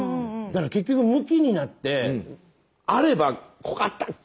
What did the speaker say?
だから結局ムキになってあれば「ここあった！」